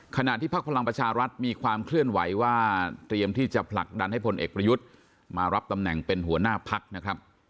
พักพลังประชารัฐมีความเคลื่อนไหวว่าเตรียมที่จะผลักดันให้พลเอกประยุทธ์มารับตำแหน่งเป็นหัวหน้าพักนะครับ